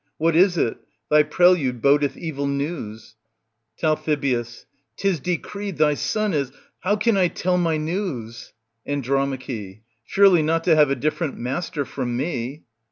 What is it ? Thy prelude bodeth evil news. Tal. Tis decreed thy son is — how can I tell my news? And. Surely not to have a different master from me